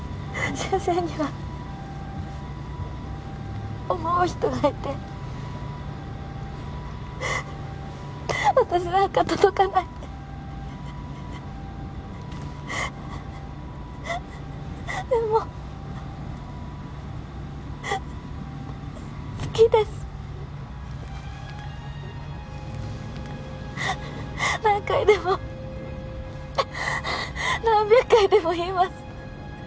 先生には思う人がいて私なんか届かないってでも好きです何回でも何百回でも言います